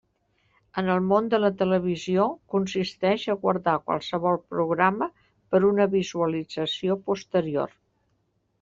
En el món de la televisió consisteix a guardar qualsevol programa per una visualització posterior.